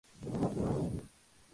Es típico de la gastronomía argentina.